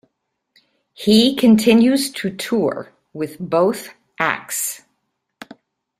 He continues to tour with both acts.